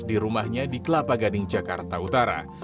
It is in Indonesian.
di rumahnya di kelapa gading jakarta utara